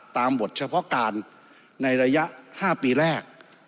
บทเฉพาะการในระยะ๕ปีแรก